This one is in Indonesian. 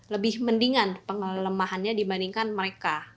lebih mendingan pelemahannya dibandingkan mereka